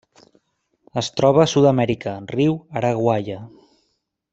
Es troba a Sud-amèrica: riu Araguaia.